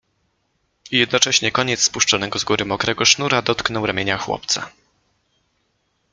I jednocześnie koniec spuszczonego z góry mokrego sznura dotknął ramienia chłopca.